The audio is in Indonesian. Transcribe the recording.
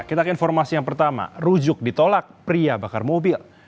kita ke informasi yang pertama rujuk ditolak pria bakar mobil